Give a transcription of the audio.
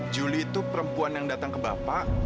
juli itu perempuan yang datang ke bapak